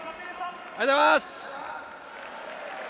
ありがとうございます！